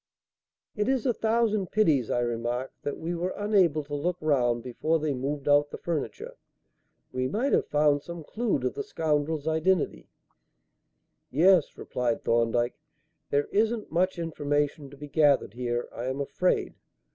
"It is a thousand pities," I remarked, "that we were unable to look round before they moved out the furniture. We might have found some clue to the scoundrel's identity." "Yes," replied Thorndyke; "there isn't much information to be gathered here, I am afraid.